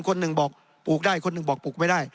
คนหนึ่งบอกปลูกได้คนหนึ่งบอกปลูกไม่ได้